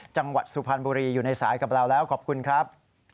จังหวัดสุพรรณบุรีอยู่ในสายกับเราแล้วขอบคุณครับ